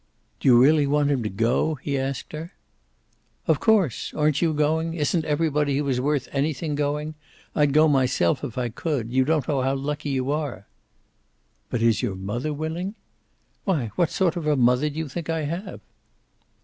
"Do you really want him to go?" he asked her. "Of course. Aren't you going? Isn't everybody who is worth anything going? I'd go myself if I could. You don't know how lucky you are." "But is your Mother willing?" "Why, what sort of a mother do you think I have?"